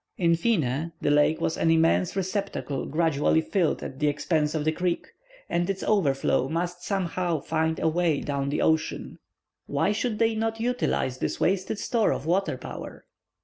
In fine, the lake was an immense receptacle gradually filled at the expense of the creek, and its overflow must somehow find a way down to the sea. Why should they not utilize this wasted store of water power?